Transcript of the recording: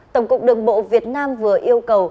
tổng cục đường bộ việt nam vừa yêu cầu